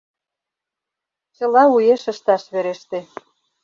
Чыла уэш ышташ вереште.